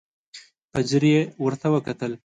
په ځير يې ورته وکتل.